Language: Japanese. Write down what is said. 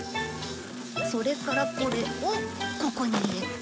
それからこれをここに入れて。